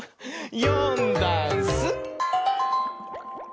「よんだんす」